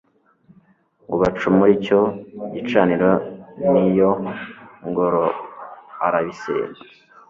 ngo bacumure icyo gicaniro n iyo ngoro arabisenya